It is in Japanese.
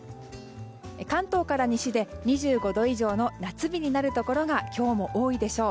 関東から西で２５度以上の夏日になるところが今日も多いでしょう。